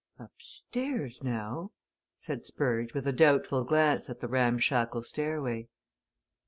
"Upstairs, now?" said Spurge with a doubtful glance at the ramshackle stairway.